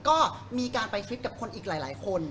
ก็มีการไปฟิตกับคนอีกหลายคน